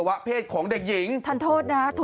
อาวาสมีการฝังมุกอาวาสมีการฝังมุกอาวาสมีการฝังมุก